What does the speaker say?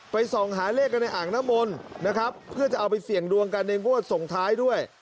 ส่องหาเลขกันในอ่างน้ำมนต์นะครับเพื่อจะเอาไปเสี่ยงดวงกันในงวดส่งท้ายด้วย